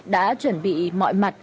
đã chuẩn bị mọi mặt